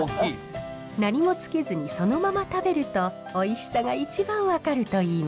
何もつけずにそのまま食べるとおいしさが一番分かるといいます。